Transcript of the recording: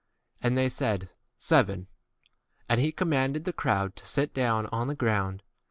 And they said, 6 Seven. And he commanded the crowd to sit down on the ground.